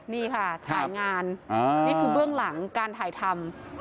นี่ค่ะถ่ายงานนี่คือเบื้องหลังการถ่ายทำ